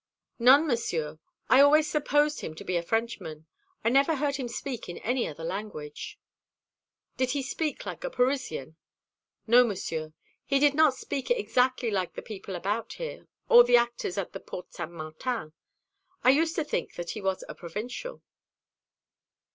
"None, Monsieur. I always supposed him to be a Frenchman. I never heard him speak in any other language." "Did he speak like a Parisian?" "No, Monsieur. He did not speak exactly like the people about here, or the actors at the Porte Saint Martin. I used to think that he was a provincial."